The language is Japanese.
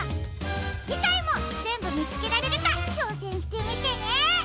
じかいもぜんぶみつけられるかちょうせんしてみてね！